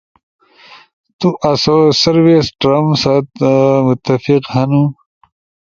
تو اسو سروس ٹرم ست متفق ہنو